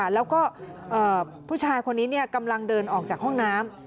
แล้วก็ผู้ชายคนนี้กำลังเดินออกจากห้องน้ำ